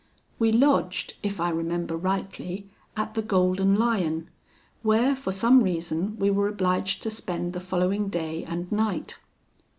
We lodged, if I remember rightly, at the "Golden Lion," where, for some reason, we were obliged to spend the following day and night.